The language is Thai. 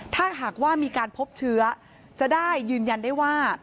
ถ้าหากว่ามีการพบเชื้อจะได้ยืนยันได้ว่า